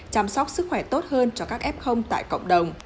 chăm sóc sức khỏe tốt hơn cho các f tại cộng đồng